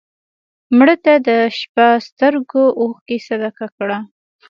مړه ته د شپه سترګو اوښکې صدقه کړه